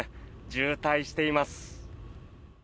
渋滞しています。